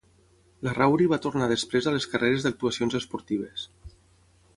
Larrauri va tornar després a les carreres d'actuacions esportives.